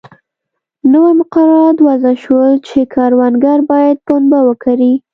نوي مقررات وضع شول چې کروندګر باید پنبه وکري.